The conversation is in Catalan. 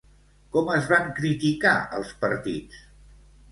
Com es van criticar, els partits?